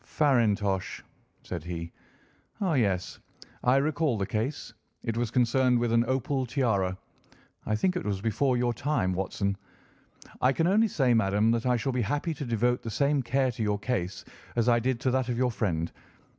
"Farintosh," said he. "Ah yes, I recall the case; it was concerned with an opal tiara. I think it was before your time, Watson. I can only say, madam, that I shall be happy to devote the same care to your case as I did to that of your friend.